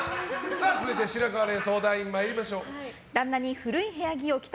続いて、白河れい相談員参りましょう。